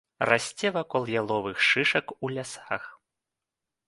Расце вакол яловых шышак у лясах.